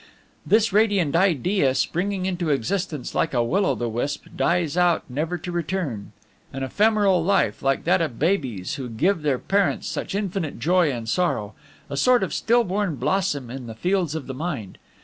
This radiant idea, springing into existence like a will o' the wisp, dies out never to return; an ephemeral life, like that of babes who give their parents such infinite joy and sorrow; a sort of still born blossom in the fields of the mind.